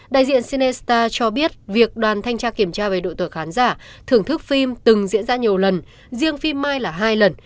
đại diện cent sstar cho biết việc đoàn thanh tra kiểm tra về đội tuổi khán giả thưởng thức phim từng diễn ra nhiều lần riêng phim mai là hai lần